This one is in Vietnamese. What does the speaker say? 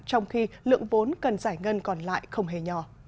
trong khi lượng vốn cần giải ngân còn lại không hề nhỏ